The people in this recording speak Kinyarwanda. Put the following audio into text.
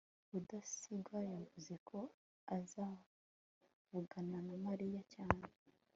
rudasingwa yavuze ko azavugana na mariya cyane